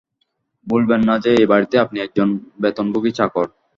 ভুলবেন না যে এই বাড়িতে আপনি একজন বেতনভোগী চাকর।